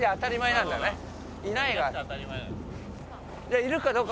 いるかどうか。